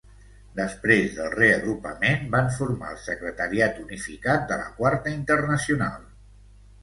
Després del reagrupament van formar el Secretariat Unificat de la Quarta Internacional.